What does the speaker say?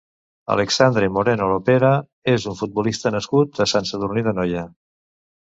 Alexandre Moreno Lopera és un futbolista nascut a Sant Sadurní d'Anoia.